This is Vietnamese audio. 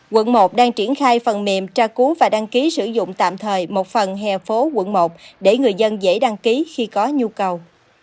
quận một đang triển khai phần mềm tra cú và đăng ký sử dụng tạm thời một phần hè phố quận một để người dân dễ đăng ký khi có nhu cầu